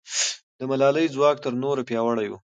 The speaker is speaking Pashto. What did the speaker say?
د ملالۍ ځواک تر نورو پیاوړی و.